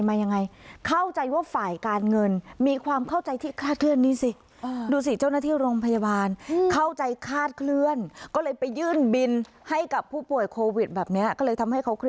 มายังไงเข้าใจว่าฝ่ายการเงินมีความเข้าใจที่คลาดเคลื่อนนี่สิเจ้าหน้าที่